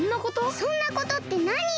「そんなこと」ってなによ！